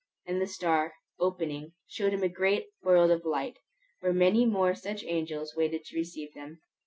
And the star, opening, showed him a great world of light, where many more such angels waited to receive them.